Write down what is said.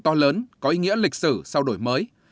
to lớn có ý nghĩa lịch sử sau đổi mới